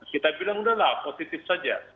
kita bilang udahlah positif saja